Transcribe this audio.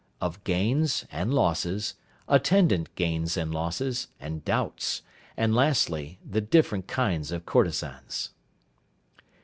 Of Gains and Losses, attendant Gains and Losses, and Doubts; and lastly, the different kinds of Courtesans.